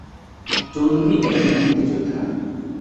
চৌধুরী একজন মুক্তিযোদ্ধা।